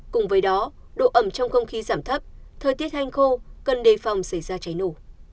cùng với đó độ ẩm trong không khí giảm thấp thời tiết hanh khô cần đề phòng xảy ra cháy nổ